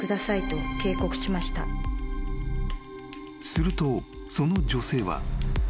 ［するとその女性は］